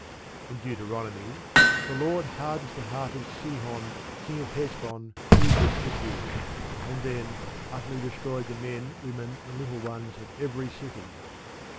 In Deuteronomy, the Lord hardens the heart of Sihon, King of Hesbon, to resist the Jews, and then "utterly destroyed the men, women, and little ones of every city."